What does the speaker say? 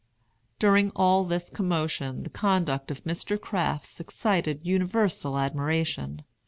During all this commotion, the conduct of Mr. Crafts excited universal admiration.